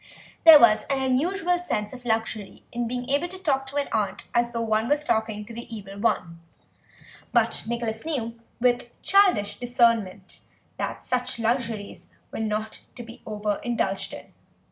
There was an unusual sense of luxury in being able to talk to an aunt as though one was talking to the Evil One, but Nicholas knew, with childish discernment, that such luxuries were not to be over indulged in.